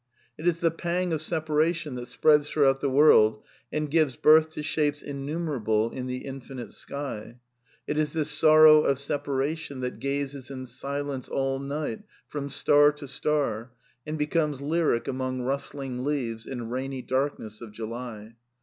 "It is the pang of separation that spreads throughout the world and gives birth to shapes imiumerable in the infinite sky. " It is this sorrow of separation that gazes in silence all night from star to star and becomes lyric among rustling leaves in rainy darkness of July.